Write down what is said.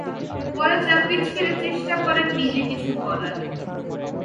পরে চাকরি ছেড়ে চেষ্টা করেন নিজে কিছু করার।